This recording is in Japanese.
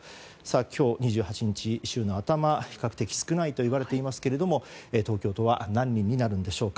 今日２８日、週の頭比較的少ないといわれていますが東京都は何人になるんでしょうか。